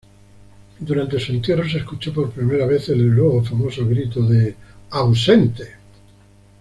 Durante su entierro se escuchó por primera vez el luego famoso grito de "¡Presente!".